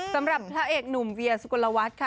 สำหรับพระเอกหนุ่มเวียสุกลวัฒน์ค่ะ